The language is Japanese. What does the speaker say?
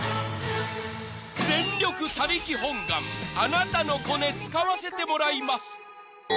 ［全力他力本願あなたのコネ使わせてもらいます］